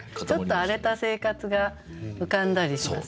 ちょっと荒れた生活が浮かんだりします。